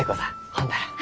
ほんなら。